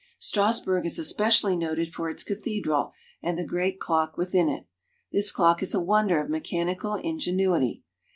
Strassburg is especially noted for its cathedral and the great clock within it. This clock is a wonder of mechanical ingenuity.